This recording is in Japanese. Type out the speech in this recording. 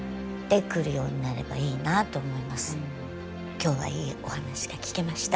今日はいいお話が聞けました。